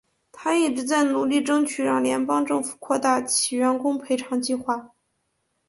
她一直在努力争取让联邦政府扩大其员工赔偿计划。